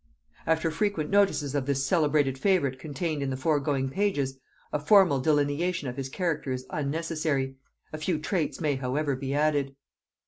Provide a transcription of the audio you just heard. After the frequent notices of this celebrated favorite contained in the foregoing pages, a formal delineation of his character is unnecessary; a few traits may however be added.